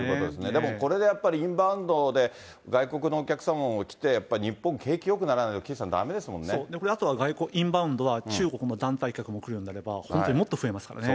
でもこれでやっぱり、インバウンドで外国のお客様も来て、やっぱり日本、景気よくならあとは外国、インバウンドは、中国の団体客も来るようになれば、本当にもっと増えますからね。